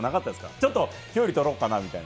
ちょっと距離取ろうかなみたいな。